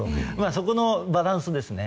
そこのバランスですね。